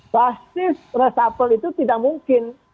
basis re satul itu tidak mungkin